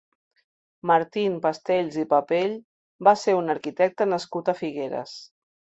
Martín Pastells i Papell va ser un arquitecte nascut a Figueres.